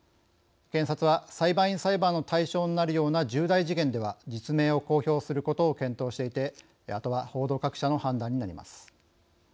検察は裁判員裁判の対象になるような重大事件では、実名を公表することを検討していてあとは報道各社の判断になります。